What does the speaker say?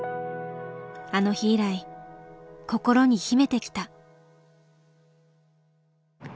あの日以来心に秘めてきた。